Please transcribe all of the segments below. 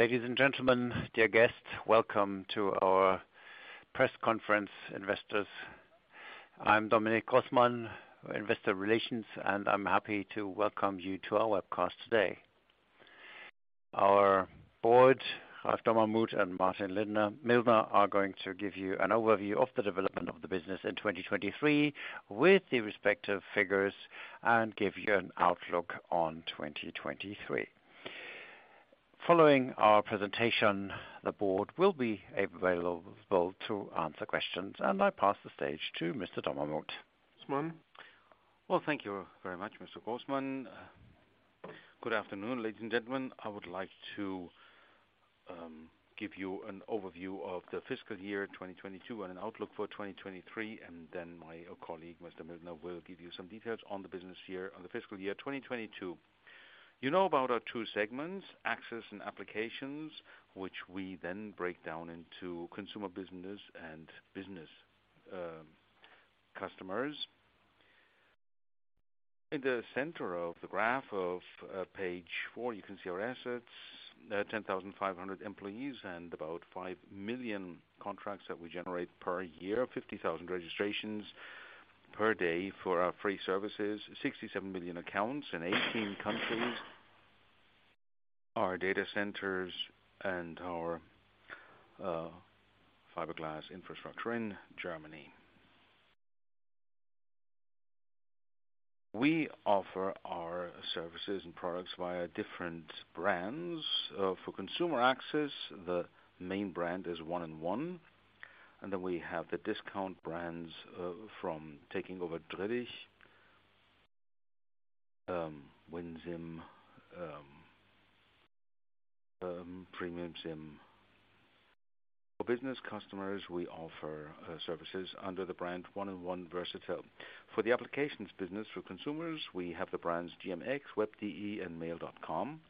Ladies and gentlemen, dear guests, welcome to our press conference, investors. I'm Dominic Grossmann, Investor Relations, and I'm happy to welcome you to our webcast today. Our board, Ralph Dommermuth and Martin Mildner, are going to give you an overview of the development of the business in 2023 with the respective figures and give you an outlook on 2023. Following our presentation, the board will be available to answer questions. I pass the stage to Mr. Dommermuth. Thank you very much, Mr. Grossmann. Good afternoon, ladies and gentlemen. I would like to give you an overview of the fiscal year 2022 and an outlook for 2023. My colleague, Mr. Mildner, will give you some details on the fiscal year 2022. You know about our two segments, access and applications, which we then break down into consumer business and business customers. In the center of the graph of page four, you can see our assets, 10,500 employees and about 5 million contracts that we generate per year. 50,000 registrations per day for our free services. 67 million accounts in 18 countries. Our data centers and our fiberglass infrastructure in Germany. We offer our services and products via different brands. For consumer access, the main brand is 1&1, then we have the discount brands from taking over Drillisch, winSIM, PremiumSIM. For business customers, we offer services under the brand 1&1 Versatel. For the applications business for consumers, we have the brands GMX, WEB.DE and mail.com.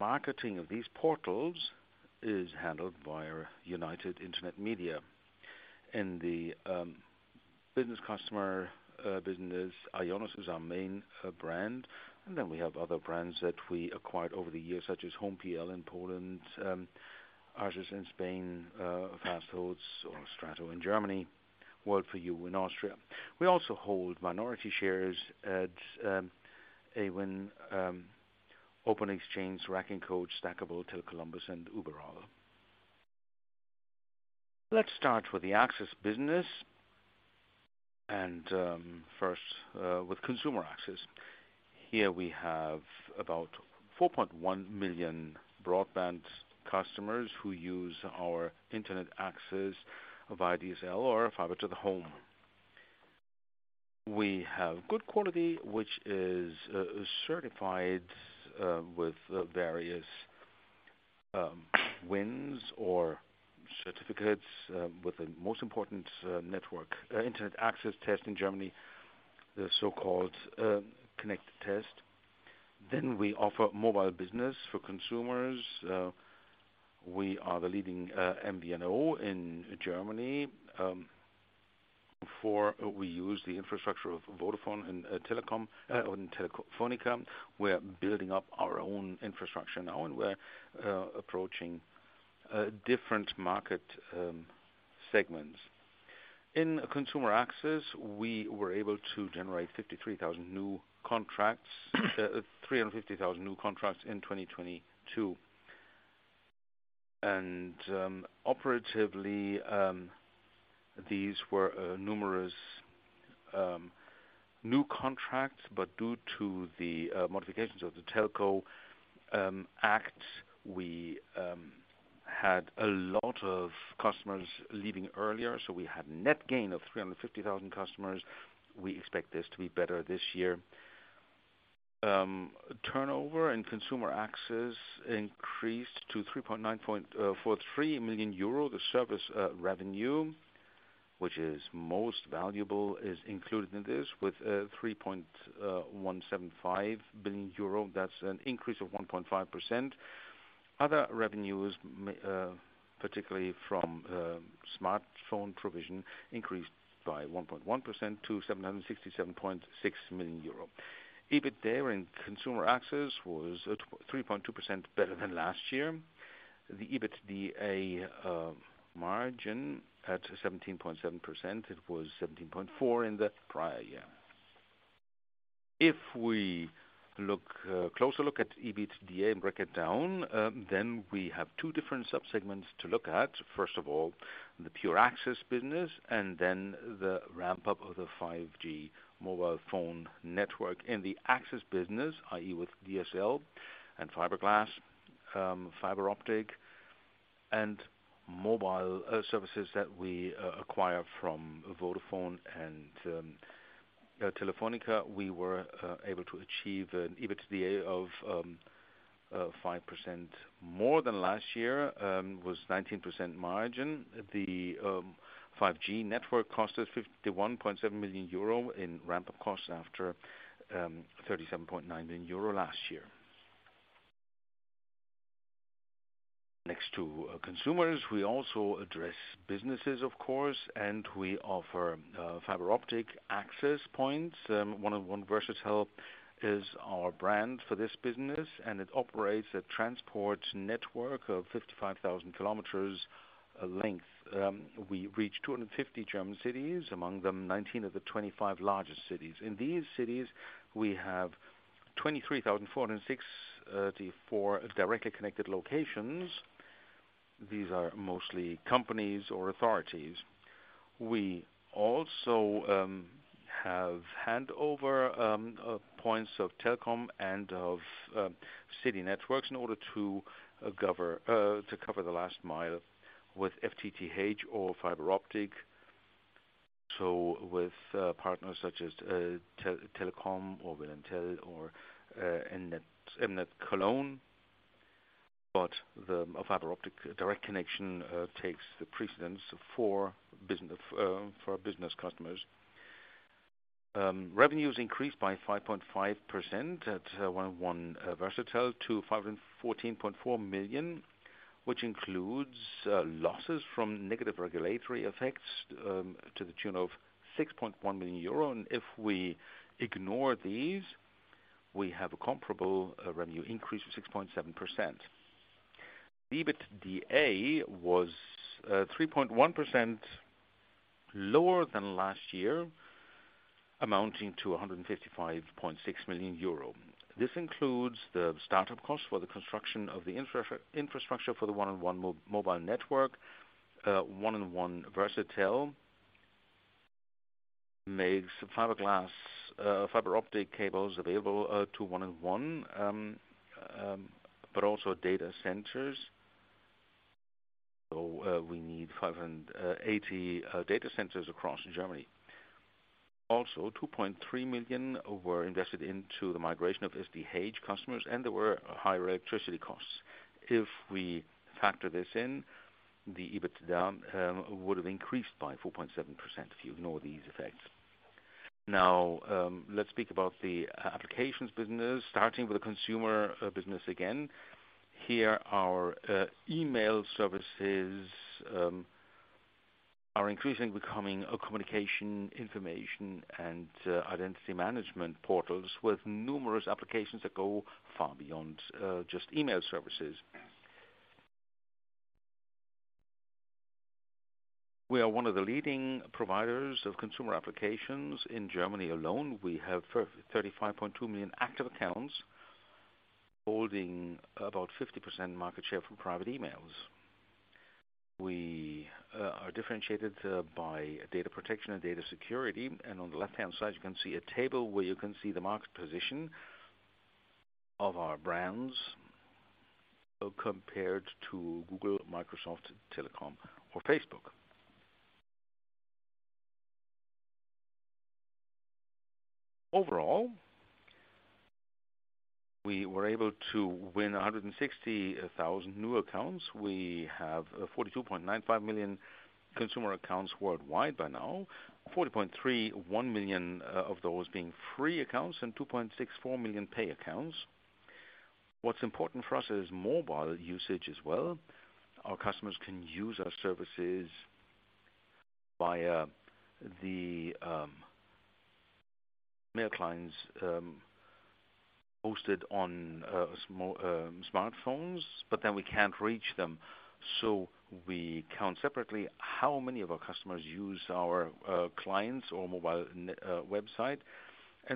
Marketing of these portals is handled via United Internet Media. In the business customer business, IONOS is our main brand. Then we have other brands that we acquired over the years, such as home.pl in Poland, Arsys in Spain, Fasthosts or Strato in Germany, world4you in Austria. We also hold minority shares at Awin, Open-Xchange, rankingCoach, Stackable, Tele Columbus and Uberall. Let's start with the access business and first with consumer access. Here we have about 4.1 million broadband customers who use our internet access via DSL or fiber to the home. We have good quality, which is certified with various wins or certificates with the most important network internet access test in Germany, the so-called connect test. We offer mobile business for consumers. We are the leading MVNO in Germany. Before we used the infrastructure of Vodafone and Telefónica. We're building up our own infrastructure now, and we're approaching different market segments. In consumer access, we were able to generate 53,000 new contracts, 350,000 new contracts in 2022. Operatively, these were numerous new contracts, but due to the modifications of the telco Act, we had a lot of customers leaving earlier, so we had net gain of 350,000 customers. We expect this to be better this year. Turnover in consumer access increased to 3.943 million euro. The service revenue, which is most valuable, is included in this with 3.175 billion euro. That's an increase of 1.5%. Other revenues, particularly from smartphone provision, increased by 1.1% to 767.6 million euro. EBIT there in consumer access was 3.2% better than last year. The EBITDA margin at 17.7%. It was 17.4 in the prior year. If we look, closer look at EBITDA and break it down, then we have two different sub-segments to look at. First of all, the pure access business and then the ramp-up of the 5G mobile phone network. In the access business, i.e., with DSL and fiberglass, fiber optic and mobile services that we acquire from Vodafone and Telefónica, we were able to achieve an EBITDA of 5% more than last year, was 19% margin. The 5G network cost us 51.7 million euro in ramp-up costs after 37.9 million euro last year. Next to consumers, we also address businesses, of course, and we offer fiber optic access points. 1&1 Versatel is our brand for this business, and it operates a transport network of 55,000 km length. We reach 250 German cities, among them 19 of the 25 largest cities. In these cities, we have 23,464 directly connected locations. These are mostly companies or authorities. We also have handover points of Telekom and of city networks in order to cover the last mile with FTTH or fiber optic. So with partners such as Te-Telecom or wilhelm.tel or M-net, NetCologne. The fiber optic direct connection takes the precedence for business customers Revenues increased by 5.5% at 1&1 Versatel to 514.4 million, which includes losses from negative regulatory effects to the tune of 6.1 million euro. If we ignore these, we have a comparable revenue increase of 6.7%. EBITDA was 3.1% lower than last year, amounting to 155.6 million euro. This includes the startup costs for the construction of the infrastructure for the 1&1 mobile network. 1&1 Versatel makes fiberglass, fiber optic cables available to 1&1, but also data centers. We need 580 data centers across Germany. 2.3 million were invested into the migration of SDH customers. There were higher electricity costs. If we factor this in, the EBITDA would have increased by 4.7% if you ignore these effects. Let's speak about the applications business, starting with the consumer business again. Here, our email services are increasingly becoming a communication, information, and identity management portals with numerous applications that go far beyond just email services. We are one of the leading providers of consumer applications. In Germany alone, we have 35.2 million active accounts holding about 50% market share for private emails. We are differentiated by data protection and data security. On the left-hand side, you can see a table where you can see the market position of our brands compared to Google, Microsoft, Telecom or Facebook. Overall, we were able to win 160,000 new accounts. We have 42.95 million consumer accounts worldwide by now, 40.31 million of those being free accounts and 2.64 million pay accounts. What's important for us is mobile usage as well. Our customers can use our services via the mail clients hosted on smartphones, we can't reach them. We count separately how many of our customers use our clients or mobile website,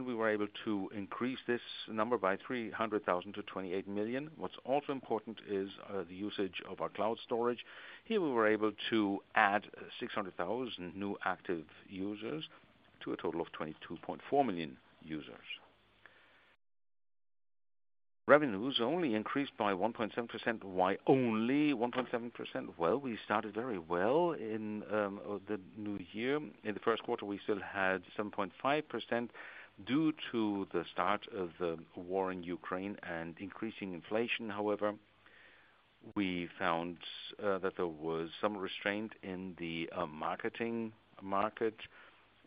we were able to increase this number by 300,000 to 28 million. What's also important is the usage of our cloud storage. Here, we were able to add 600,000 new active users to a total of 22.4 million users. Revenues only increased by 1.7%. Why only 1.7%? Well, we started very well in the new year. In the first quarter, we still had 7.5%. Due to the start of the war in Ukraine and increasing inflation, however, we found that there was some restraint in the marketing market.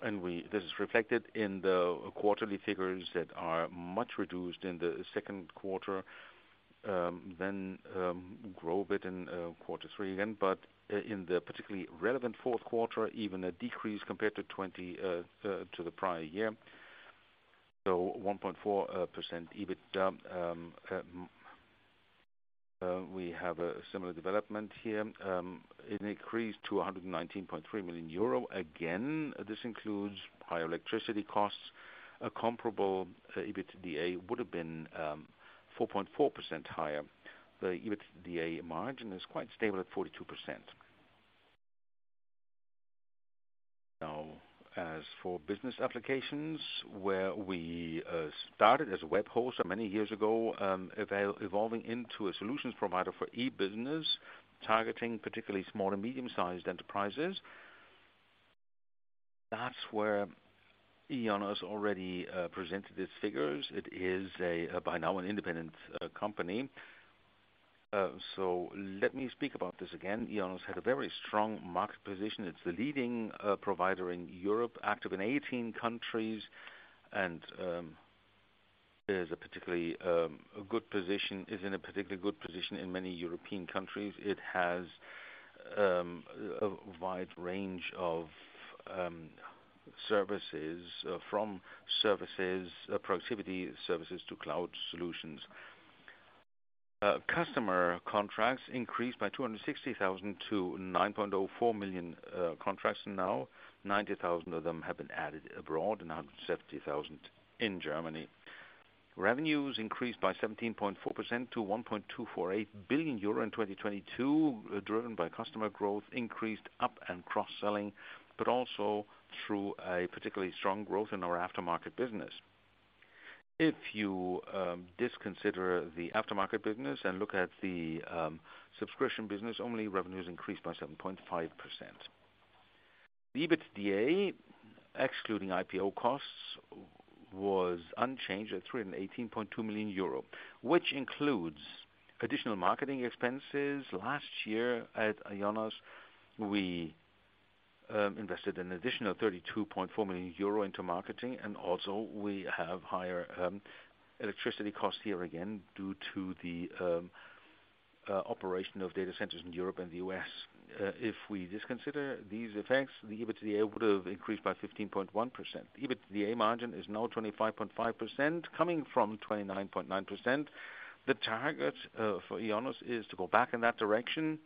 This is reflected in the quarterly figures that are much reduced in the second quarter, then grow a bit in quarter three again. In the particularly relevant fourth quarter, even a decrease compared to 2020 to the prior year. 1.4% EBITDA, we have a similar development here. It increased to 119.3 million euro. Again, this includes higher electricity costs. A comparable EBITDA would have been 4.4% higher. The EBITDA margin is quite stable at 42%. As for business applications, where we started as a web host many years ago, evolving into a solutions provider for e-business, targeting particularly small and medium-sized enterprises. That's where IONOS already presented its figures. It is by now an independent company. Let me speak about this again. IONOS had a very strong market position. It's the leading provider in Europe, active in 18 countries. Is in a particularly good position in many European countries. It has a wide range of services. From services, productivity services to cloud solutions. Customer contracts increased by 260,000 to 9.04 million contracts now. 90,000 of them have been added abroad, and 170,000 in Germany. Revenues increased by 17.4% to 1.248 billion euro in 2022, driven by customer growth, increased up and cross-selling, but also through a particularly strong growth in our aftermarket business. If you disconsider the aftermarket business and look at the subscription business, only revenues increased by 7.5%. The EBITDA, excluding IPO costs, was unchanged at 318.2 million euro, which includes additional marketing expenses. Last year at IONOS, we invested an additional 32.4 million euro into marketing, we have higher electricity costs here again due to the operation of data centers in Europe and the U.S. If we disconsider these effects, the EBITDA would have increased by 15.1%. EBITDA margin is now 25.5%, coming from 29.9%. The target for IONOS is to go back in that direction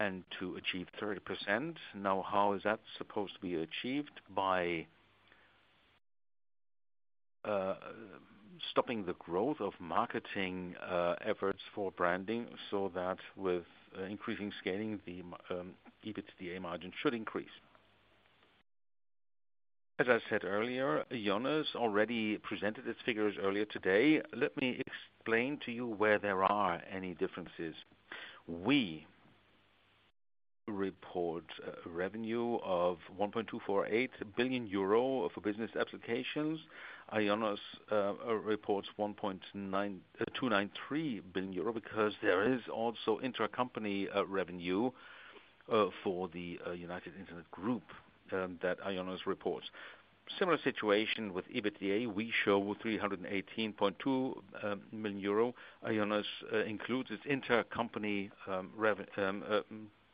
and to achieve 30%. How is that supposed to be achieved? By stopping the growth of marketing efforts for branding, with increasing scaling, the EBITDA margin should increase. As I said earlier, IONOS already presented its figures earlier today. Let me explain to you where there are any differences. We report revenue of 1.248 billion euro for business applications. IONOS reports 293 billion euro because there is also intercompany revenue for the United Internet Group that IONOS reports. Similar situation with EBITDA. We show 318.2 million euro. IONOS includes its intercompany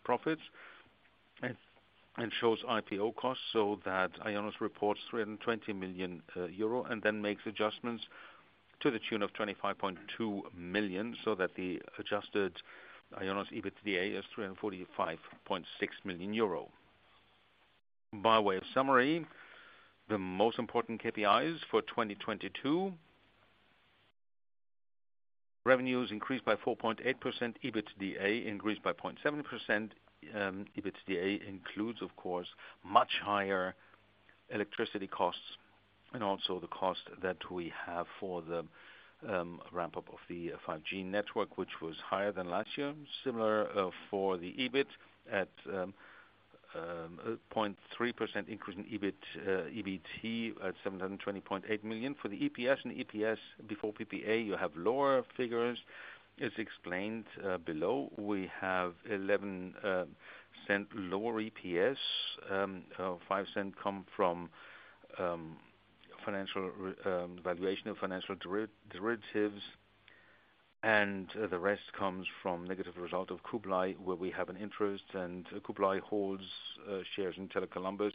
profits and shows IPO costs so that IONOS reports 320 million euro, and then makes adjustments to the tune of 25.2 million, so that the adjusted IONOS EBITDA is 345.6 million euro. By way of summary, the most important KPIs for 2022. Revenues increased by 4.8%. EBITDA increased by 0.7%. EBITDA includes, of course, much higher electricity costs and also the cost that we have for the ramp up of the 5G network, which was higher than last year. Similar for the EBIT at 0.3% increase in EBIT, EBT at 720.8 million. For the EPS and EPS before PPA, you have lower figures. As explained below, we have 0.11 lower EPS. 0.05 come from financial valuation of financial derivatives, and the rest comes from negative result of Kublai, where we have an interest. Kublai holds shares in Tele Columbus,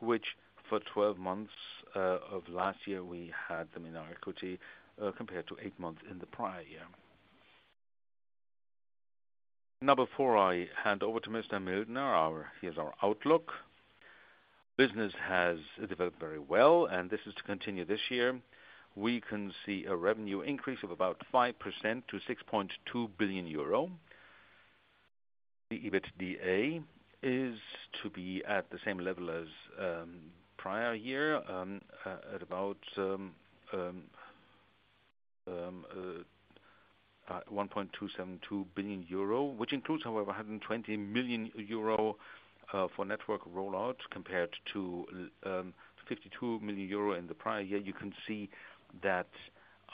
which for 12 months of last year, we had them in our equity compared to eight months in the prior year. Before I hand over to Mr. Mildner, here's our outlook. Business has developed very well. This is to continue this year. We can see a revenue increase of about 5% to 6.2 billion euro. The EBITDA is to be at the same level as prior year, at about 1.272 billion euro, which includes however 120 million euro for network rollout compared to 52 million euro in the prior year. You can see that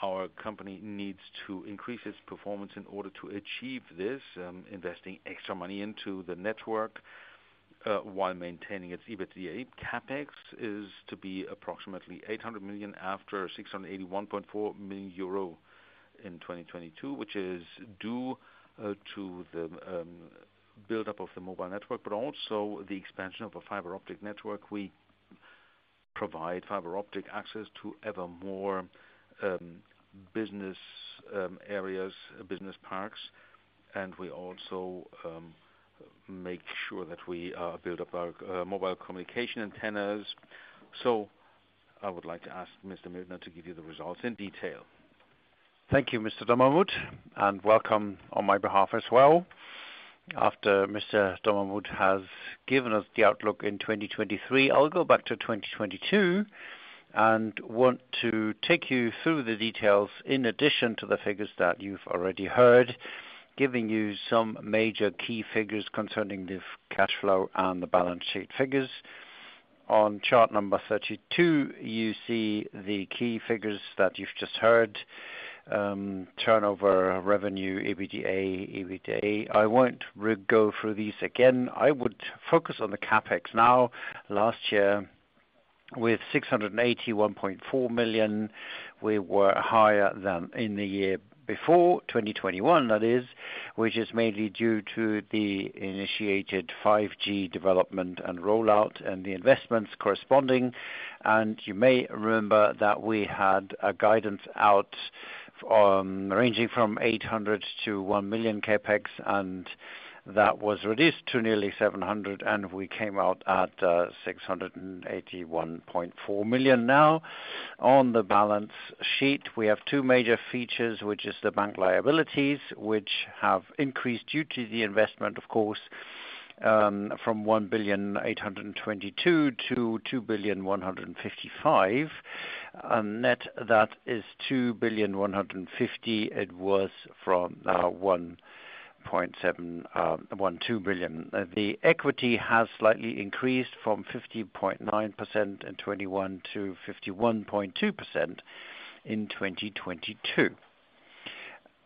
our company needs to increase its performance in order to achieve this, investing extra money into the network while maintaining its EBITDA. CapEx is to be approximately 800 million after 681.4 million euro in 2022, which is due to the buildup of the mobile network, but also the expansion of a fiber optic network. We provide fiber-optic access to ever more business areas, business parks, and we also make sure that we build up our mobile communication antennas. I would like to ask Mr. Mildner to give you the results in detail. Thank you, Mr. Dommermuth, and welcome on my behalf as well. After Mr. Dommermuth has given us the outlook in 2023, I'll go back to 2022 and want to take you through the details in addition to the figures that you've already heard, giving you some major key figures concerning the cash flow and the balance sheet figures. On chart number 32, you see the key figures that you've just heard. Turnover revenue, EBITDA. I won't re-go through these again. I would focus on the CapEx now. Last year with 681.4 million, we were higher than in the year before, 2021 that is, which is mainly due to the initiated 5G development and rollout and the investments corresponding. You may remember that we had a guidance out, ranging from 800 million-1 million CapEx, and that was reduced to nearly 700 million, and we came out at 681.4 million. On the balance sheet, we have two major features, which is the bank liabilities, which have increased due to the investment, of course, from 1.822 billion to 2.155 billion. Net, that is 2.15 billion. It was from 1.712 billion. The equity has slightly increased from 50.9% in 2021 to 51.2% in 2022.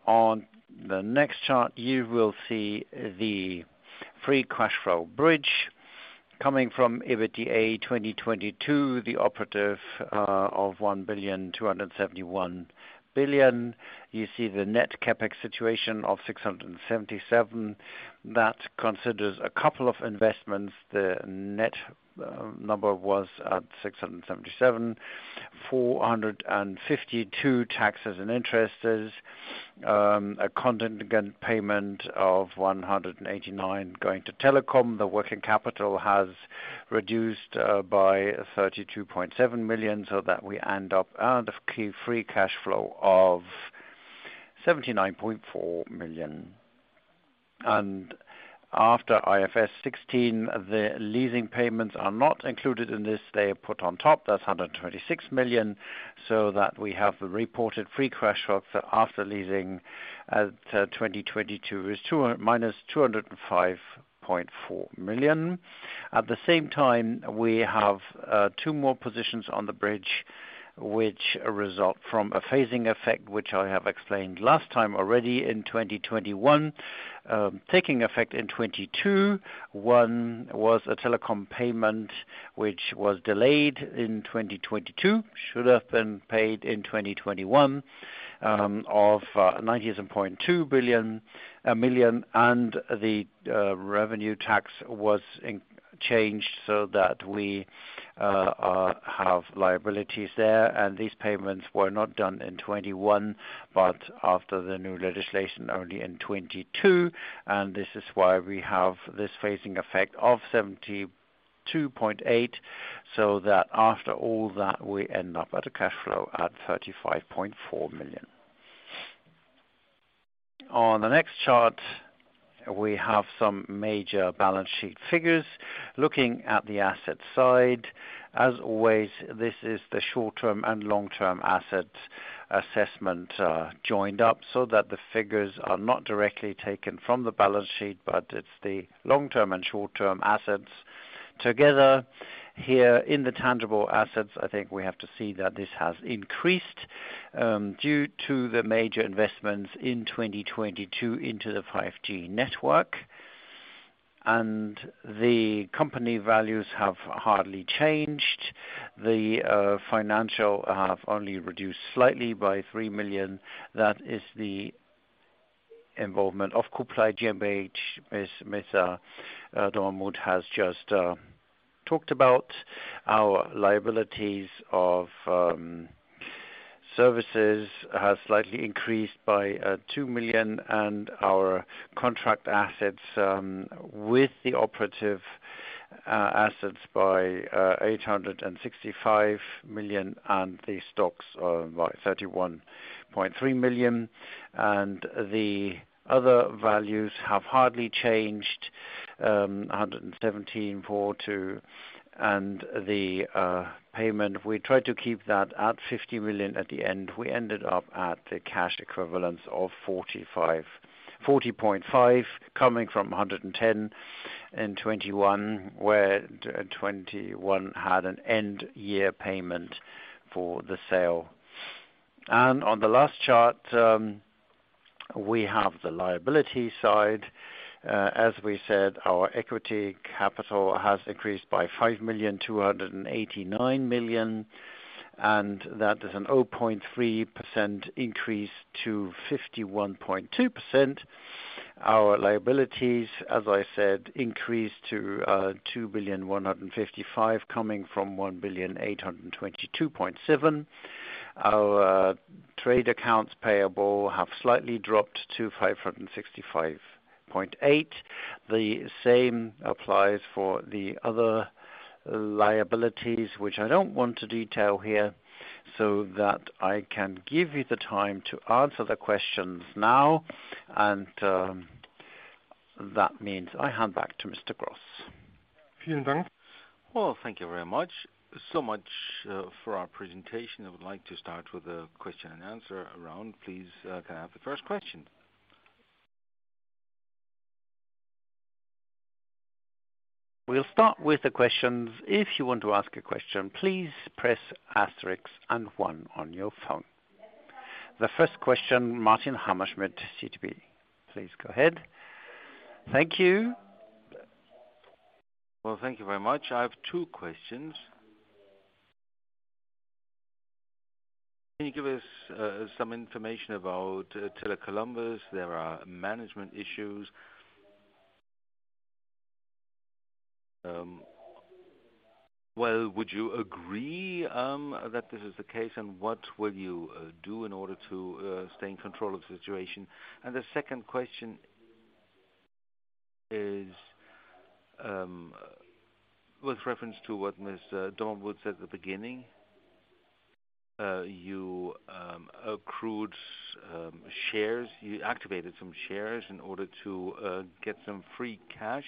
On the next chart you will see the free cash flow bridge coming from EBITDA 2022, the operative, of 1.271 billion. You see the net CapEx situation of 677. That considers a couple of investments. The net number was at 677, 452 taxes and interests. A contingent payment of 189 going to telecom. The working capital has reduced by 32.7 million, so that we end up earned a free cash flow of 79.4 million. After IFRS 16, the leasing payments are not included in this. They are put on top. That's 126 million, so that we have the reported free cash flow after leasing at 2022 is minus 205.4 million. At the same time, we have two more positions on the bridge which result from a phasing effect, which I have explained last time already in 2021, taking effect in 2020. One was a telecom payment which was delayed in 2022, should have been paid in 2021, of 97.2 million. The revenue tax was changed so that we have liabilities there. These payments were not done in 2021, but after the new legislation only in 2022. This is why we have this phasing effect of 72.8 million. After all that, we end up at a cash flow at 35.4 million. On the next chart we have some major balance sheet figures. Looking at the asset side, as always, this is the short-term and long-term asset assessment, joined up so that the figures are not directly taken from the balance sheet, but it's the long-term and short-term assets together. Here in the tangible assets I think we have to see that this has increased, due to the major investments in 2022 into the 5G network. The company values have hardly changed. The financial have only reduced slightly by 3 million. That is the involvement of Kublai GmbH, as Mr. Dommermuth has just talked about. Our liabilities of services has slightly increased by 2 million, and our contract assets, with the operative assets by 865 million, and the stocks are by 31.3 million. The other values have hardly changed, 117.2 million. The payment, we tried to keep that at 50 million at the end. We ended up at the cash equivalence of 45 million, 40.5 million, coming from 110 million in 2021, where 2021 had an end year payment for the sale. On the last chart, we have the liability side. As we said, our equity capital has increased by 5,289 million, and that is a 0.3% increase to 51.2%. Our liabilities, as I said, increased to 2.155 billion, coming from 1.8227 billion. Our trade accounts payable have slightly dropped to 565.8 million. The same applies for the other liabilities, which I don't want to detail here, so that I can give you the time to answer the questions now. That means I hand back to Mr. Grossmann. Well, thank you very much. Much for our presentation. I would like to start with a question-and-answer around. Please, can I have the first question? We'll start with the questions. If you want to ask a question, please press asterisk and one on your phone. The first question, Martin Hammerschmidt, Citigroup, please go ahead. Thank you. Thank you very much. I have two questions. Can you give us some information about Tele Columbus? There are management issues. Would you agree that this is the case, and what will you do in order to stay in control of the situation? The second question is with reference to what Mr. Dommermuth would say at the beginning, you accrued shares. You activated some shares in order to get some free cash.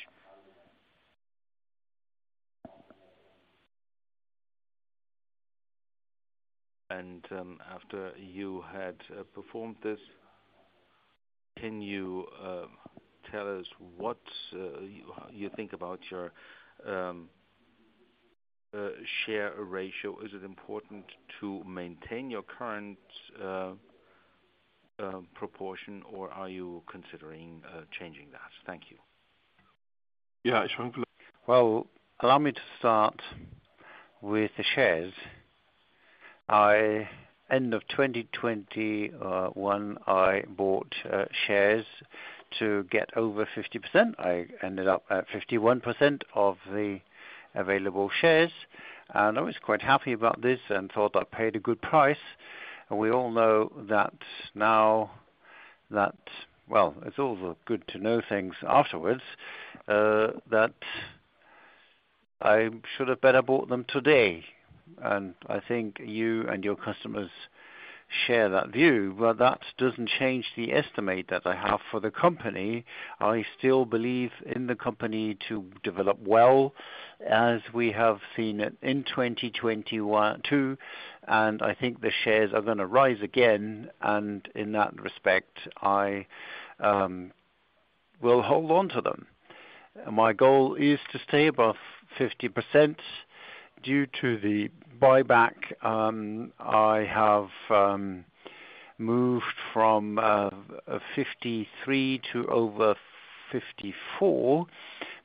After you had performed this, can you tell us what you think about your share ratio? Is it important to maintain your current proportion, or are you considering changing that? Thank you. Well, allow me to start with the shares. End of 2021, I bought shares to get over 50%. I ended up at 51% of the available shares, I was quite happy about this and thought I paid a good price. We all know that Well, it's also good to know things afterwards that I should have better bought them today, and I think you and your customers share that view. That doesn't change the estimate that I have for the company. I still believe in the company to develop well, as we have seen it in 2022, and I think the shares are gonna rise again, and in that respect, I will hold on to them. My goal is to stay above 50%. Due to the buyback, I have moved from 53% to over 54%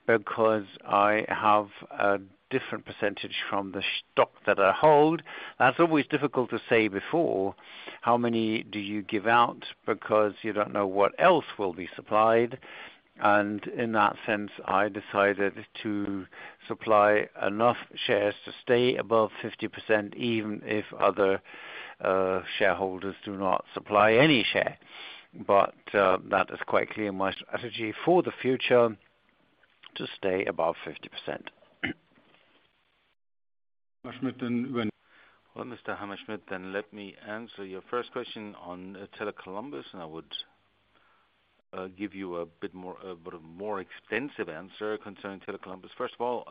because I have a different percentage from the stock that I hold. That's always difficult to say before. How many do you give out because you don't know what else will be supplied? In that sense, I decided to supply enough shares to stay above 50%, even if other shareholders do not supply any share. That is quite clear in my strategy for the future, to stay above 50%. Hammerschmidt went. Well, Mr. Hammerschmidt, let me answer your first question on Tele Columbus. I would give you a bit more extensive answer concerning Tele Columbus. First of all,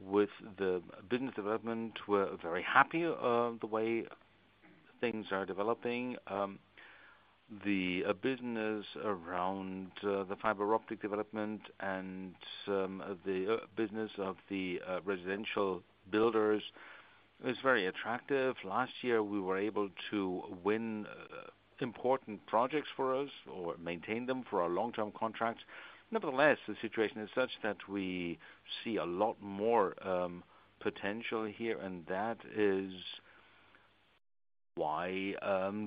with the business development, we're very happy of the way things are developing. The business around the fiber optic development and some of the business of the residential builders is very attractive. Last year, we were able to win important projects for us or maintain them for our long-term contracts. Nevertheless, the situation is such that we see a lot more potential here, that is why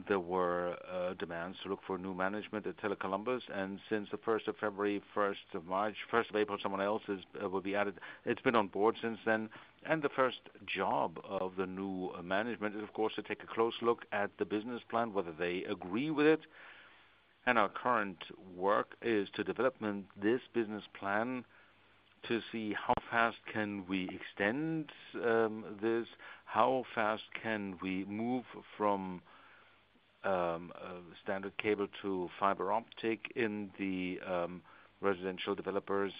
there were demands to look for new management at Tele Columbus. Since the first of February, first of March, first of April, someone else will be added. It's been on board since then. The first job of the new management is, of course, to take a close look at the business plan, whether they agree with it. Our current work is to development this business plan to see how fast can we extend this? How fast can we move from standard cable to fiber optic in the residential developers?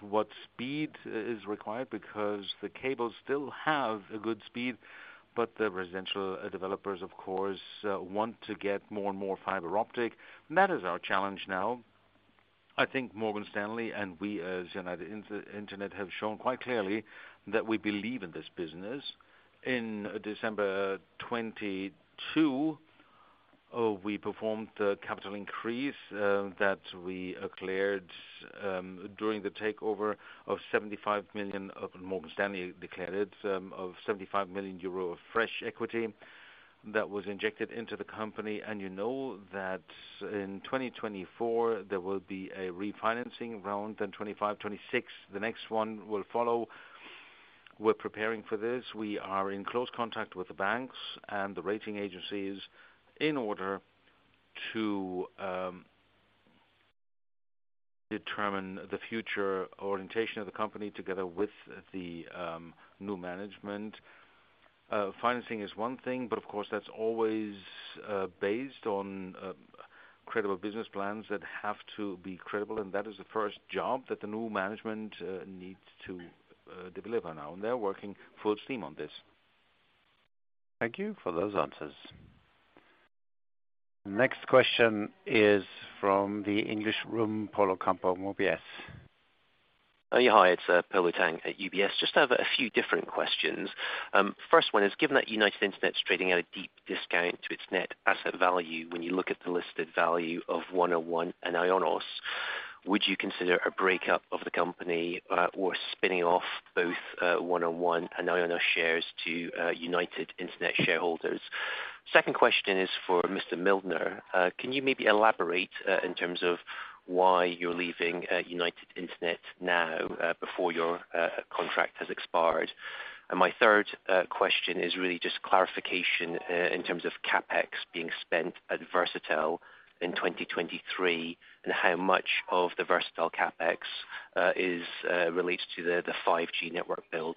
What speed is required? Because the cables still have a good speed, but the residential developers, of course, want to get more and more fiber optic. That is our challenge now. I think Morgan Stanley and we as United Internet have shown quite clearly that we believe in this business. In December 2022, we performed a capital increase that we cleared during the takeover of 75 million, of Morgan Stanley declared it, of 75 million euro of fresh equity that was injected into the company. You know that in 2024 there will be a refinancing round, then 2025, 2026, the next one will follow. We're preparing for this. We are in close contact with the banks and the rating agencies in order to determine the future orientation of the company together with the new management. Financing is one thing, but of course that's always based on credible business plans that have to be credible, and that is the first job that the new management needs to deliver now. They're working full steam on this. Thank you for those answers. Next question is from the English room, Polo Tang, UBS. Hi, it's Polo Tang at UBS. Just have a few different questions. First one is given that United Internet's trading at a deep discount to its net asset value, when you look at the listed value of 1&1 and IONOS, would you consider a breakup of the company, or spinning off both 1&1 and IONOS shares to United Internet shareholders? Second question is for Mr. Mildner. Can you maybe elaborate in terms of why you're leaving United Internet now before your contract has expired? My third question is really just clarification in terms of CapEx being spent at Versatel in 2023, and how much of the Versatel CapEx is related to the 5G network build.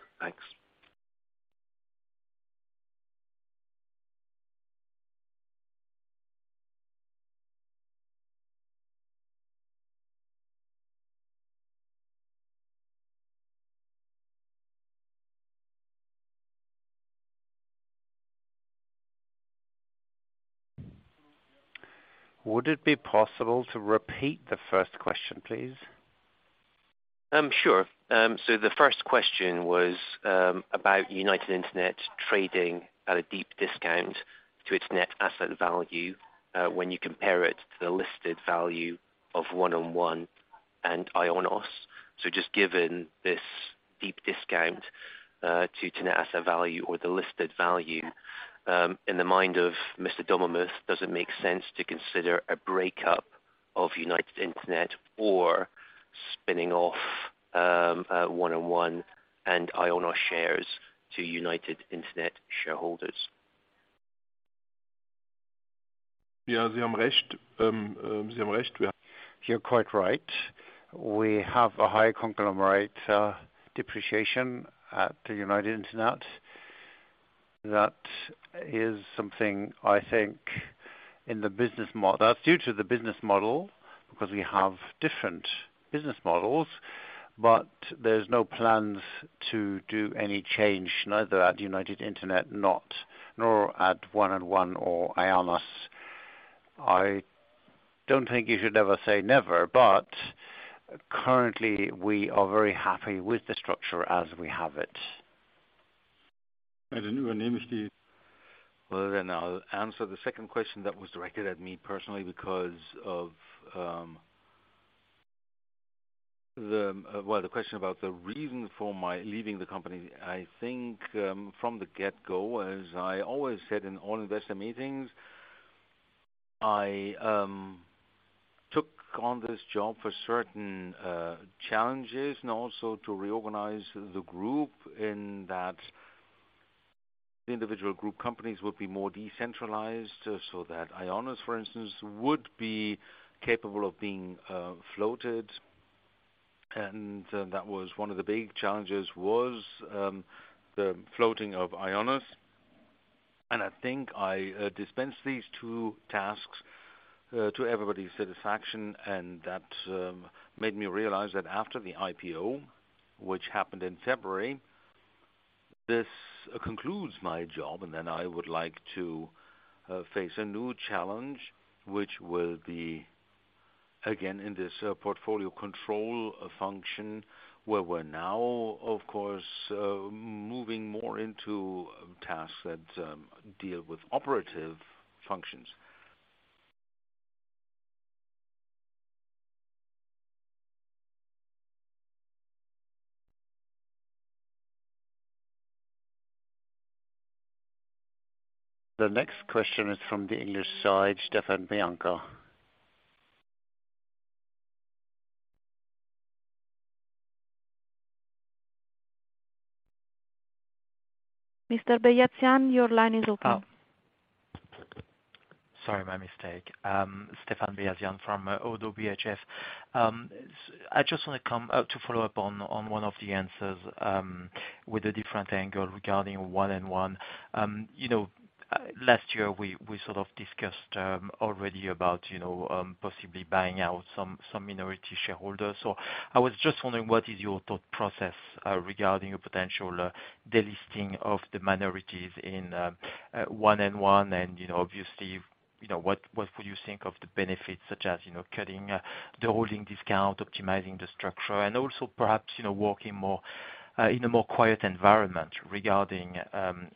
Thanks. Would it be possible to repeat the first question, please? Sure. The first question was about United Internet trading at a deep discount to its net asset value, when you compare it to the listed value of 1&1 and IONOS. Just given this deep discount to net asset value or the listed value, in the mind of Mr. Dommermuth, does it make sense to consider a breakup of United Internet or spinning off 1&1 and IONOS shares to United Internet shareholders? You're quite right. We have a high conglomerate depreciation at United Internet. That is something I think in the business model. That's due to the business model because we have different business models. There's no plans to do any change neither at United Internet, not... nor at 1&1 or IONOS. I don't think you should ever say never. Currently, we are very happy with the structure as we have it. Well, I'll answer the second question that was directed at me personally because of Well, the question about the reason for my leaving the company. I think, from the get-go, as I always said in all investor meetings, I took on this job for certain challenges and also to reorganize the group in that the individual group companies would be more decentralized so that IONOS, for instance, would be capable of being floated. That was one of the big challenges was the floating of IONOS. I think I dispensed these two tasks to everybody's satisfaction, and that made me realize that after the IPO, which happened in February, this concludes my job, and then I would like to face a new challenge, which will be again in this portfolio control function, where we're now of course, moving more into tasks that deal with operative functions. The next question is from the English side, Stéphane Beyazian. Mr. Beyazian, your line is open. Sorry, my mistake. Stéphane Beyazian from ODDO BHF. I just want to come to follow up on one of the answers with a different angle regarding 1&1. You know, last year we sort of discussed already about, you know, possibly buying out some minority shareholders. I was just wondering what is your thought process regarding a potential delisting of the minorities in 1&1, and, you know, obviously, you know, what would you think of the benefits such as, you know, cutting the holding discount, optimizing the structure, and also perhaps, you know, working more in a more quiet environment regarding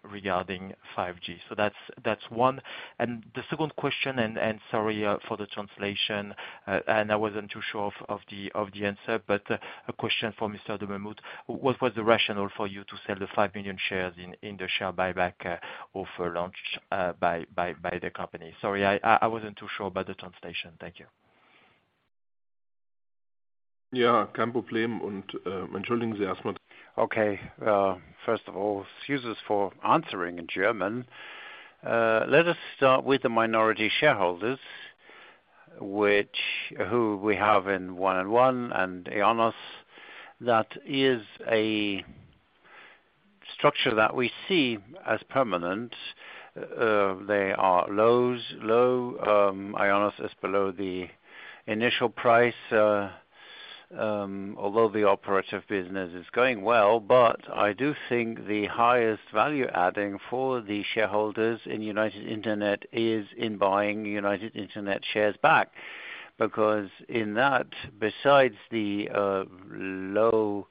5G? That's one. The second question, and sorry for the translation, and I wasn't too sure of the answer, but a question for Mr. Dommermuth. What was the rationale for you to sell the 5 million shares in the share buyback offer launched by the company? Sorry, I wasn't too sure about the translation. Thank you. Okay. First of all, excuses for answering in German. Let us start with the minority shareholders, who we have in 1&1 and IONOS. That is a structure that we see as permanent. They are low, IONOS is below the initial price, although the operative business is going well, I do think the highest value adding for the shareholders in United Internet is in buying United Internet shares back. In that, besides the low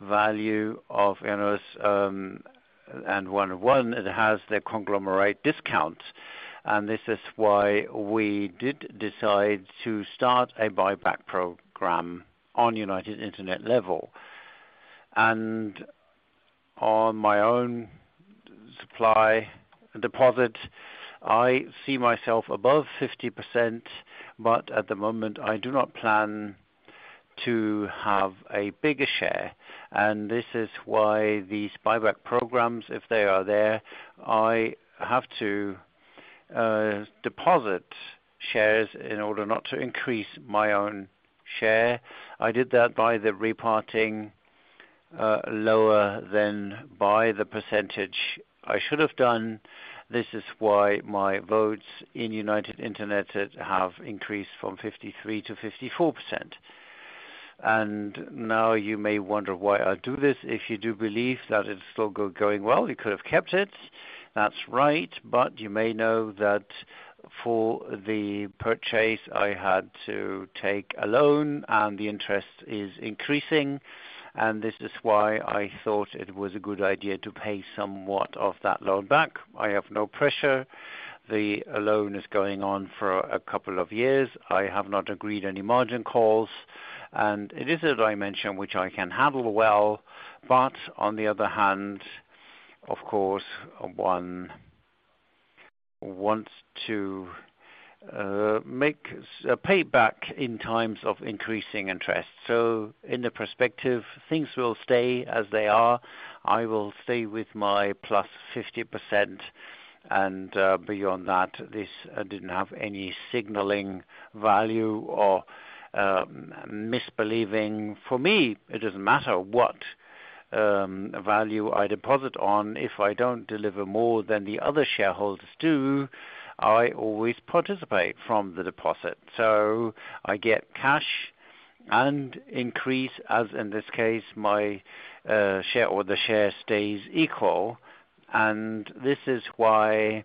value of, you know, 1&1, it has the conglomerate discount, this is why we did decide to start a buyback program on United Internet level. On my own supply deposit, I see myself above 50%, at the moment, I do not plan to have a bigger share. This is why these buyback programs, if they are there, I have to deposit shares in order not to increase my own share. I did that by the reparting lower than by the percentage I should have done. This is why my votes in United Internet have increased from 53% to 54%. Now you may wonder why I do this. If you do believe that it's still going well, you could have kept it. That's right. You may know that for the purchase, I had to take a loan and the interest is increasing, this is why I thought it was a good idea to pay somewhat of that loan back. I have no pressure. The loan is going on for a couple of years. I have not agreed any margin calls, and it is a dimension which I can handle well. On the other hand, of course, one wants to make pay back in times of increasing interest. In the perspective, things will stay as they are. I will stay with my +50% and beyond that, this didn't have any signaling value or misbelieving. For me, it doesn't matter what value I deposit on. If I don't deliver more than the other shareholders do, I always participate from the deposit. I get cash and increase, as in this case, my share or the share stays equal. This is why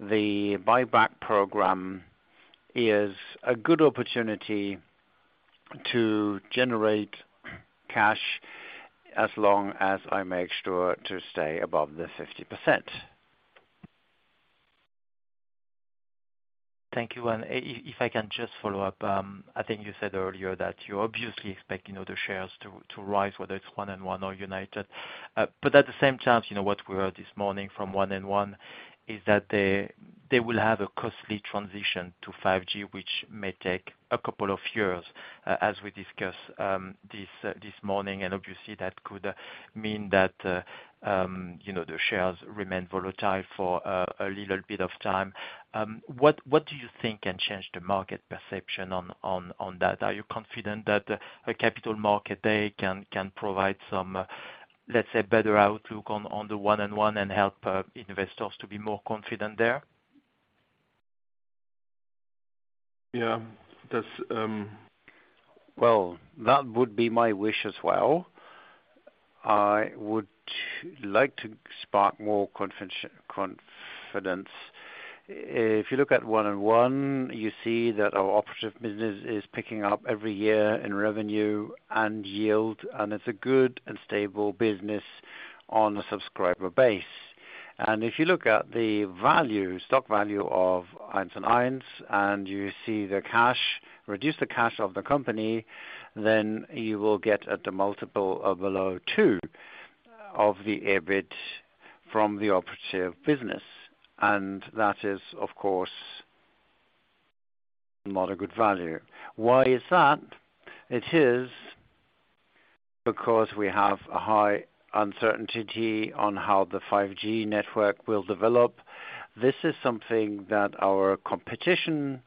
the buyback program is a good opportunity to generate cash as long as I make sure to stay above the 50%. Thank you. If I can just follow up, I think you said earlier that you're obviously expecting other shares to rise, whether it's 1&1 or United. At the same time, you know, what we heard this morning from 1&1 is that they will have a costly transition to 5G, which may take a couple of years, as we discuss this morning. Obviously, that could mean that, you know, the shares remain volatile for a little bit of time. What do you think can change the market perception on that? Are you confident that a capital market day can provide some, let's say, better outlook on the 1&1 and help investors to be more confident there? Yeah. That's Well, that would be my wish as well. I would like to spark more confidence. If you look at 1&1, you see that our operative business is picking up every year in revenue and yield, and it's a good and stable business on the subscriber base. If you look at the value, stock value of 1&1, and you see the cash, reduce the cash of the company, then you will get at the multiple of below 2x of the EBIT from the operative business. That is, of course, not a good value. Why is that? It is because we have a high uncertainty on how the 5G network will develop. This is something that our competition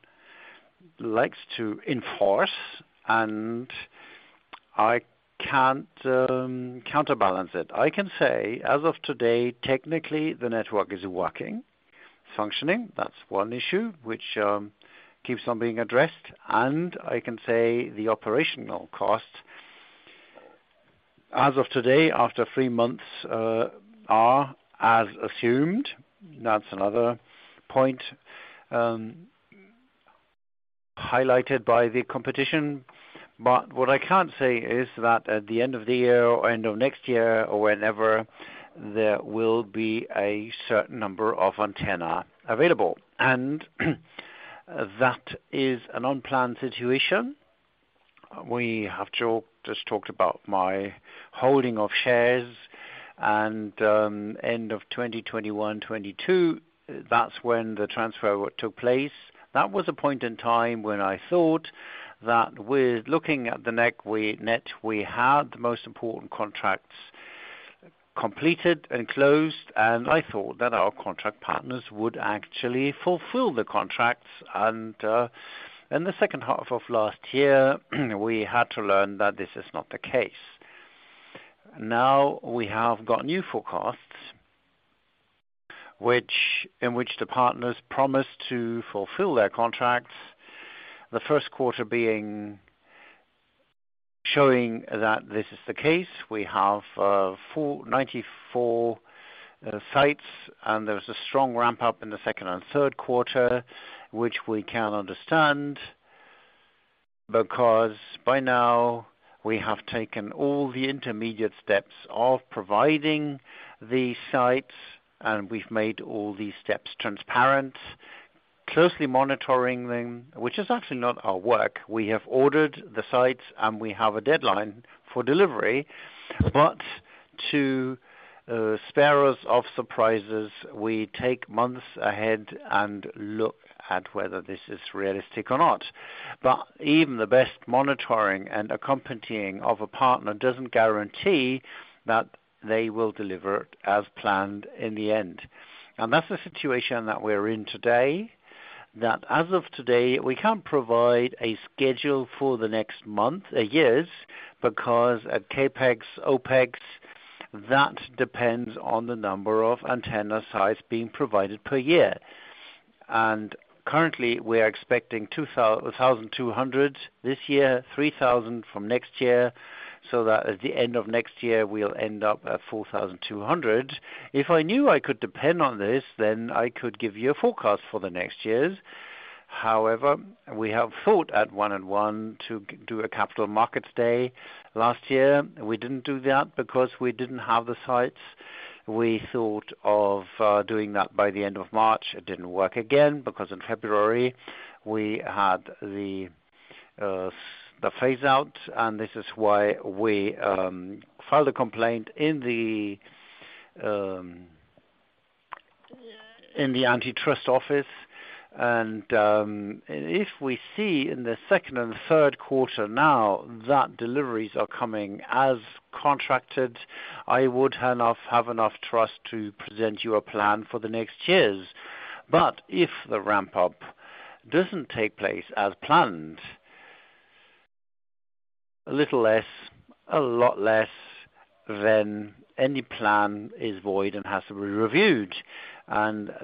likes to enforce, and I can't counterbalance it. I can say, as of today, technically, the network is working, functioning. That's one issue which keeps on being addressed. I can say the operational cost as of today, after three months, are as assumed. That's another point highlighted by the competition. What I can't say is that at the end of the year or end of next year or whenever, there will be a certain number of antenna available. That is an unplanned situation. We just talked about my holding of shares and end of 2021, 2022, that's when the transfer took place. That was a point in time when I thought that with looking at the net we had, the most important contracts completed and closed, and I thought that our contract partners would actually fulfill the contracts. In the second half of last year, we had to learn that this is not the case. We have got new forecasts, in which the partners promised to fulfill their contracts, the first quarter showing that this is the case. We have 94 sites, there's a strong ramp up in the second and third quarter, which we can understand, because by now we have taken all the intermediate steps of providing the sites, and we've made all these steps transparent, closely monitoring them, which is actually not our work. We have ordered the sites, we have a deadline for delivery. To spare us of surprises, we take months ahead and look at whether this is realistic or not. Even the best monitoring and accompanying of a partner doesn't guarantee that they will deliver as planned in the end. That's the situation that we're in today. That as of today, we can't provide a schedule for the next month, years, because at CapEx, OpEx, that depends on the number of antenna sites being provided per year. Currently, we are expecting 2,200 this year, 3,000 from next year, so that at the end of next year we'll end up at 4,200. If I knew I could depend on this, then I could give you a forecast for the next years. However, we have thought at 1&1 to do a capital markets day. Last year, we didn't do that because we didn't have the sites. We thought of doing that by the end of March. It didn't work again because in February we had the phase out, this is why we filed a complaint in the antitrust office. If we see in the second and third quarter now that deliveries are coming as contracted, I would have enough trust to present you a plan for the next years. If the ramp-up doesn't take place as planned, a little less, a lot less than any plan is void and has to be reviewed.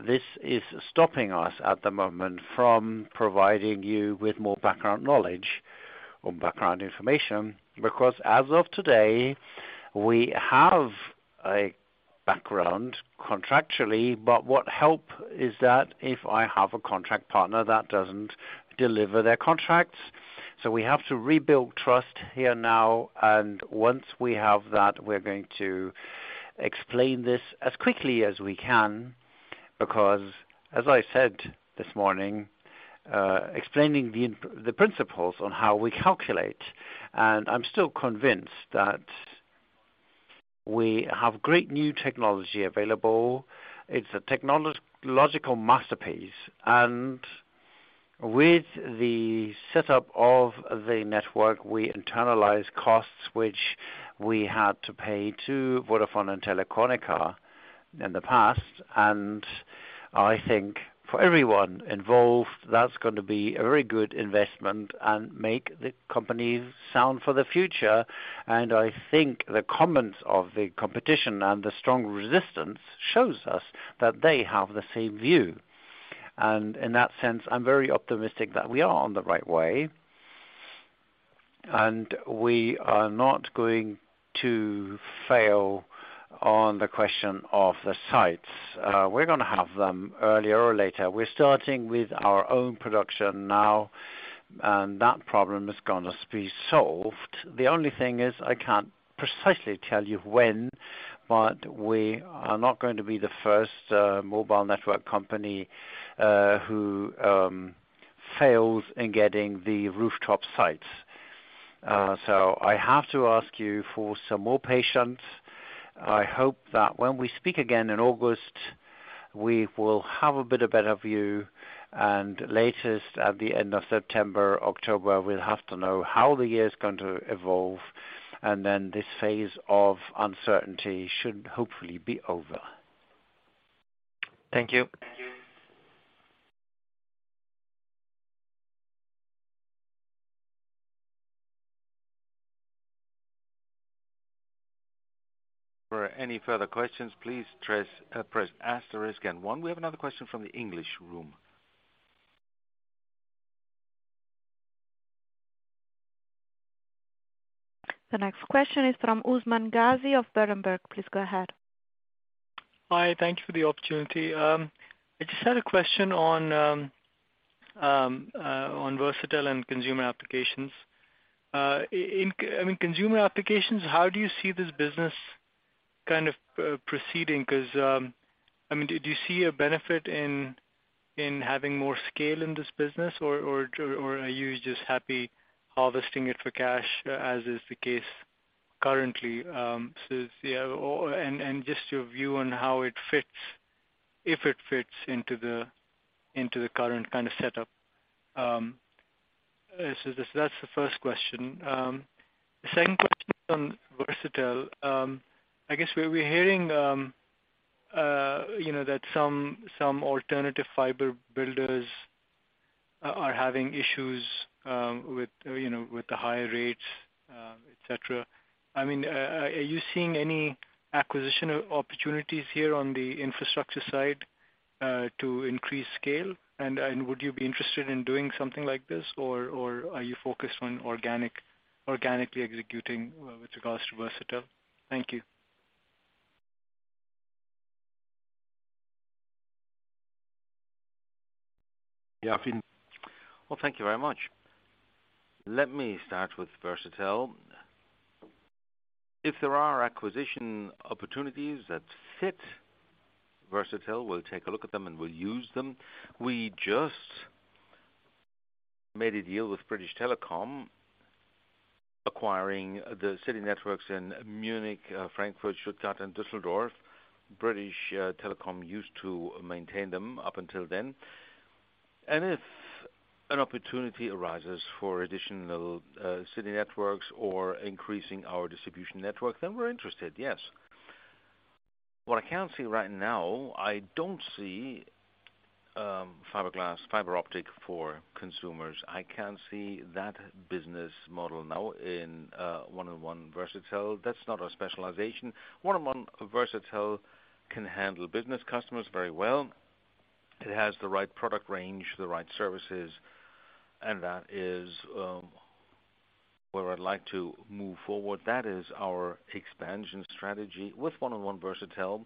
This is stopping us at the moment from providing you with more background knowledge or background information. As of today, we have a background contractually. What help is that if I have a contract partner that doesn't deliver their contracts? We have to rebuild trust here now, and once we have that, we're going to explain this as quickly as we can. As I said this morning, explaining the principles on how we calculate. I'm still convinced that we have great new technology available. It's a technological masterpiece. With the setup of the network, we internalize costs which we had to pay to Vodafone and Telefónica in the past. I think for everyone involved, that's gonna be a very good investment and make the company sound for the future. I think the comments of the competition and the strong resistance shows us that they have the same view. In that sense, I'm very optimistic that we are on the right way. We are not going to fail on the question of the sites. We're gonna have them earlier or later. We're starting with our own production now, and that problem is gonna be solved. The only thing is I can't precisely tell you when, but we are not going to be the first mobile network company who fails in getting the rooftop sites. I have to ask you for some more patience. I hope that when we speak again in August, we will have a bit of better view. Latest at the end of September, October, we'll have to know how the year is going to evolve, and then this phase of uncertainty should hopefully be over. Thank you. For any further questions, please press asterisk and one. We have another question from the English room. The next question is from Usman Ghazi of Berenberg. Please go ahead. Hi. Thank you for the opportunity. I just had a question on Versatel and consumer applications. I mean, consumer applications, how do you see this business kind of proceeding? 'Cause, I mean, do you see a benefit in having more scale in this business or are you just happy harvesting it for cash, as is the case currently? Yeah. And just your view on how it fits, if it fits into the current kind of setup. That's the first question. The second question is on Versatel. I guess we're hearing, you know, that some alternative fiber builders are having issues with, you know, with the higher rates, et cetera. I mean, are you seeing any acquisition opportunities here on the infrastructure side, to increase scale? Would you be interested in doing something like this? Are you focused on organically executing with regards to Versatel? Thank you. Well, thank you very much. Let me start with Versatel. If there are acquisition opportunities that fit Versatel, we'll take a look at them and we'll use them. We just made a deal with British Telecom acquiring the city networks in Munich, Frankfurt, Stuttgart, and Düsseldorf. British Telecom used to maintain them up until then. If an opportunity arises for additional city networks or increasing our distribution network, then we're interested, yes. What I can't see right now, I don't see fiberglass, fiber optic for consumers. I can't see that business model now in 1&1 Versatel. That's not our specialization. 1&1 Versatel can handle business customers very well. It has the right product range, the right services, and that is where I'd like to move forward. That is our expansion strategy. With 1&1 Versatel,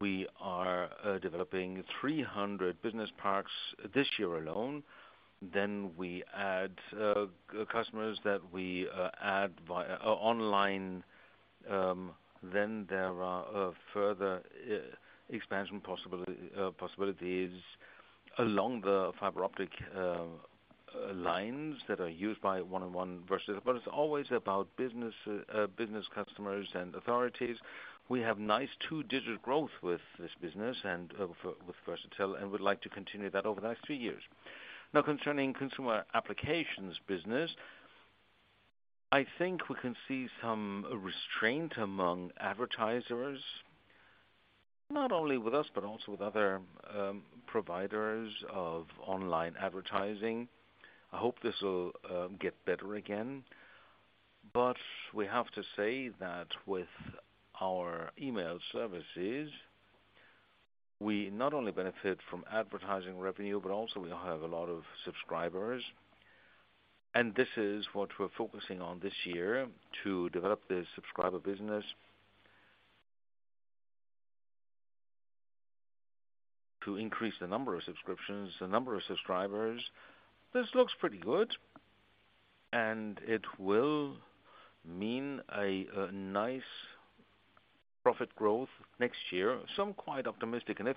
we are developing 300 business parks this year alone. We add customers that we add via online. There are further expansion possibilities along the fiber-optic lines that are used by 1&1 Versatel. It's always about business customers and authorities. We have nice two-digit growth with this business and with Versatel, we'd like to continue that over the next three years. Now, concerning consumer applications business, I think we can see some restraint among advertisers, not only with us, but also with other providers of online advertising. I hope this will get better again. We have to say that with our email services, we not only benefit from advertising revenue, but also we have a lot of subscribers. This is what we're focusing on this year to develop the subscriber business. To increase the number of subscriptions, the number of subscribers. This looks pretty good, it will mean a nice profit growth next year. Some quite optimistic. If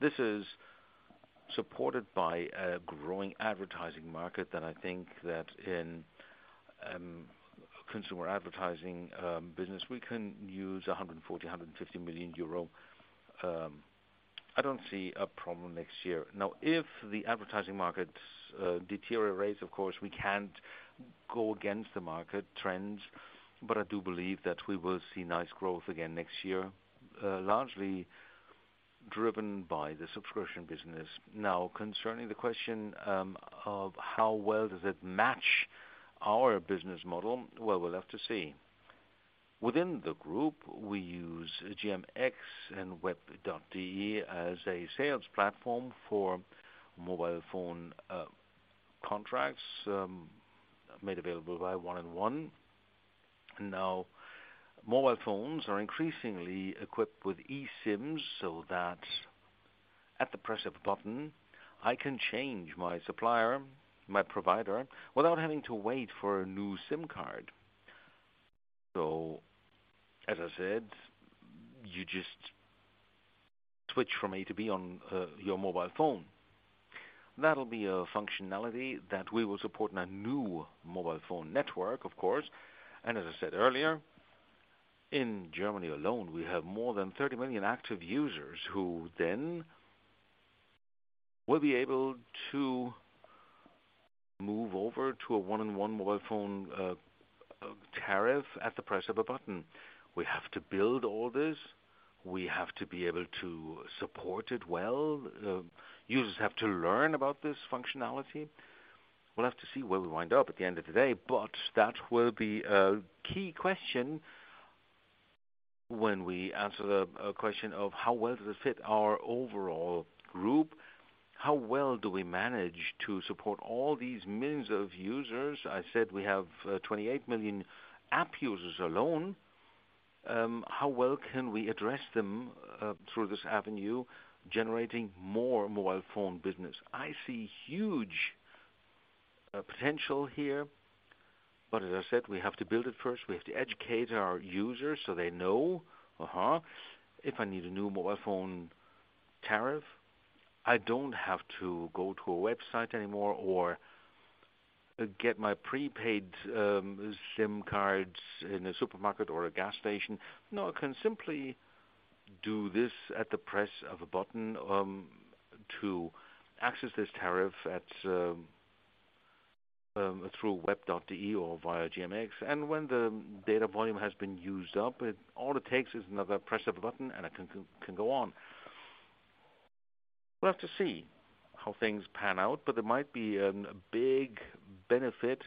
this is supported by a growing advertising market, then I think that in consumer advertising business, we can use 140-150 million euro. I don't see a problem next year. If the advertising markets deteriorates, of course, we can't go against the market trends, but I do believe that we will see nice growth again next year, largely driven by the subscription business. Concerning the question of how well does it match our business model? Well, we'll have to see. Within the group, we use GMX and WEB.DE as a sales platform for mobile phone contracts made available by 1&1. Now, mobile phones are increasingly equipped with E-SIMs, so that at the press of a button, I can change my supplier, my provider, without having to wait for a new SIM card. As I said, you just switch from A to B on your mobile phone. That'll be a functionality that we will support in a new mobile phone network, of course. As I said earlier, in Germany alone, we have more than 30 million active users who then will be able to move over to a 1&1 mobile phone tariff at the press of a button. We have to build all this. We have to be able to support it well. Users have to learn about this functionality. We'll have to see where we wind up at the end of the day, but that will be a key question when we answer the question of how well does it fit our overall group? How well do we manage to support all these millions of users? I said we have 28 million app users alone. How well can we address them through this avenue, generating more mobile phone business? I see huge potential here, but as I said, we have to build it first. We have to educate our users so they know, uh-huh, if I need a new mobile phone tariff, I don't have to go to a website anymore or get my prepaid SIM cards in a supermarket or a gas station. No, I can simply do this at the press of a button, to access this tariff at. through WEB.DE or via GMX. When the data volume has been used up, all it takes is another press of a button and it can go on. We'll have to see how things pan out, but there might be a big benefit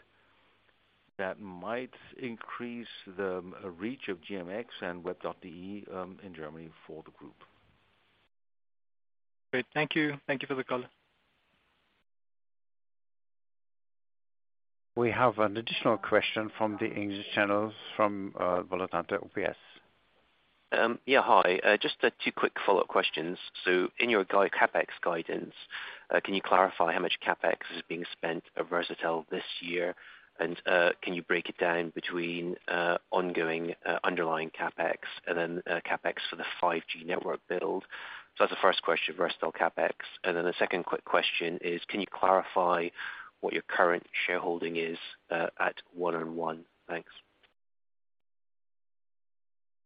that might increase the reach of GMX and WEB.DE in Germany for the group. Great. Thank you. Thank you for the color. We have an additional question from the English channels from, Polo Tang from UBS. Yeah, hi. Just two quick follow-up questions. In your CapEx guidance, can you clarify how much CapEx is being spent at Versatel this year? Can you break it down between ongoing underlying CapEx and then CapEx for the 5G network build? That's the first question, Versatel CapEx. Then the second quick question is, can you clarify what your current shareholding is at 1&1? Thanks.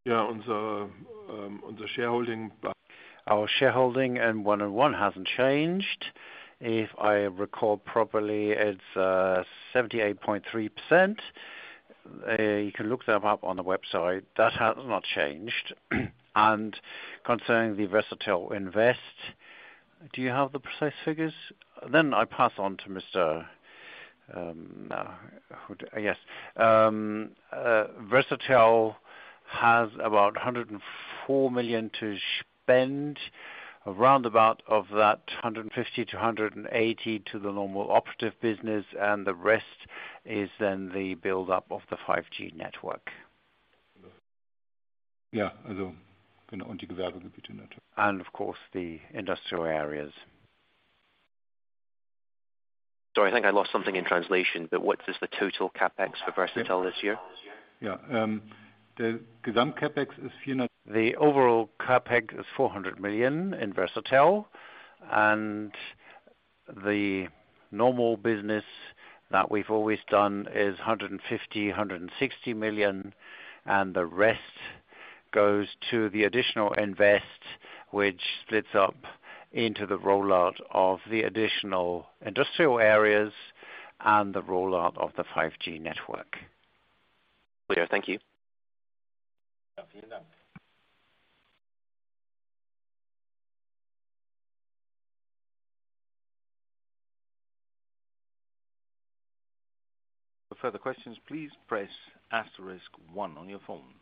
Yeah. On the shareholding. Our shareholding in 1&1 hasn't changed. If I recall properly, it's 78.3%. You can look that up on the website. That has not changed. Concerning the Versatel invest, do you have the precise figures? Then I pass on to Mr. Yes. Versatel has about 104 million to spend. Around about of that, 150-180 to the normal operative business, the rest is then the build up of the 5G network. Of course, the industrial areas. Sorry, I think I lost something in translation, but what is the total CapEx for Versatel this year? Yeah. The overall CapEx is 400 million in Versatel. The normal business that we've always done is 150 million, 160 million, and the rest goes to the additional invest, which splits up into the rollout of the additional industrial areas and the rollout of the 5G network. Thank you. For further questions, please press asterisk one on your phone.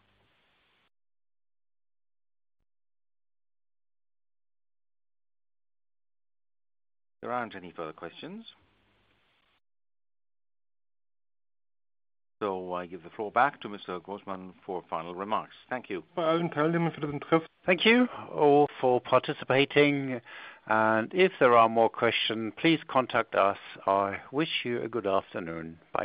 There aren't any further questions. I give the floor back to Mr. Grossmann for final remarks. Thank you. Thank you all for participating. If there are more questions, please contact us. I wish you a good afternoon. Bye.